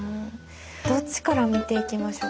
どっちから見ていきましょうか？